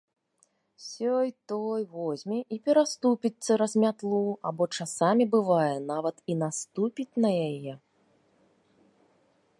Сёй-той возьме і пераступіць цераз мятлу або часамі, бывае, нават і наступіць на яе.